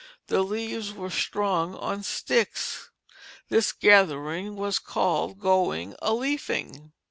The leaves were strung on sticks. This gathering was called going a leafing.